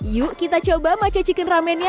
yuk kita coba baca chicken ramennya